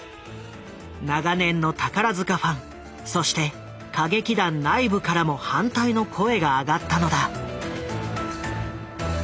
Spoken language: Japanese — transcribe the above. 長年の宝塚ファンそして歌劇団内部からも反対の声が上がったのだ。